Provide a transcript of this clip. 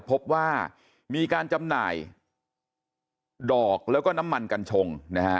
พบว่ามีการจำหน่ายดอกแล้วก็น้ำมันกัญชงนะฮะ